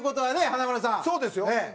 そうですよ。